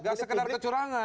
tidak sekedar kecurangan